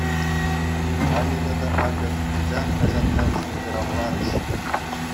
Халӗ тата, акӑ, «Вучах» хаҫатран шӑнкӑравларӗҫ.